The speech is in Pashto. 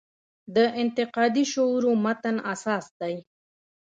د انتقادي شعور و متن اساس دی.